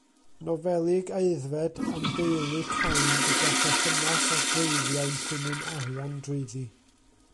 Nofelig aeddfed am deulu Cain gyda pherthynas a gwreiddiau'n llinyn arian drwyddi.